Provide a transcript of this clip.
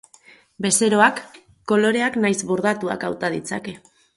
Bezeroak koloreak nahiz bordatuak hauta ditzake.